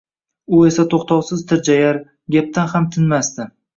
U esa toʻxtovsiz tirjayar, gapdan ham tinmasdi.